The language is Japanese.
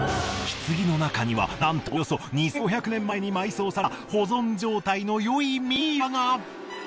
棺の中にはなんとおよそ２５００年前に埋葬された保存状態の良いミイラが。